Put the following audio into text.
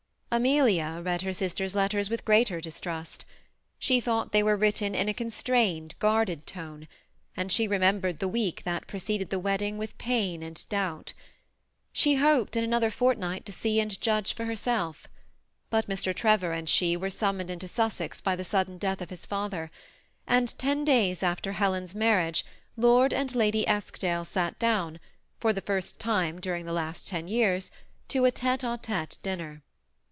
Amelia read her sister's letters with greater distrust. She thought they were written in a constrained, guarded tone, and she remembered the week that preceded the wedding with pain and doubt. She hoped in another fortnight to see and judge for herself; but Mr. Trevor and she were summoned into Sussex by the sudden death of his father ; and ten days after Helen's mar riage, Lord and Lady £skdale sat down, for the first time during the last ten years, to a tete^a iete dinner.